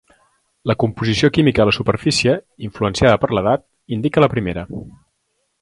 La composició química a la superfície, influenciada per l'edat, indica la primera.